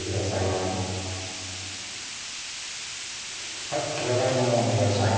はいじゃがいももお願いします